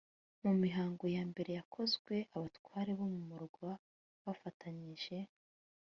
mu mihango ya mbere yakozwe, abatware bo mu murwa bafatanyije